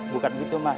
bukan begitu mak